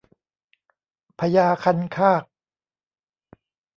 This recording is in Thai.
พญาคันคาก